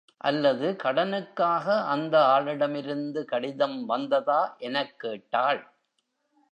அல்லது கடனுக்காக அந்த ஆளிடமிருந்து கடிதம் வந்ததா எனக்கேட்டாள்.